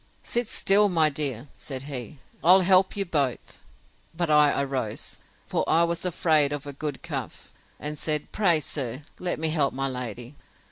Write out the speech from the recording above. Sit still, my dear, said he; I'll help you both. But I arose; for I was afraid of a good cuff; and said, Pray, sir, let me help my lady.